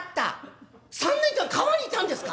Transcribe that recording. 「３年間川にいたんですか！？